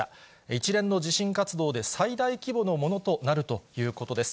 一連の地震活動で最大規模のものとなるということです。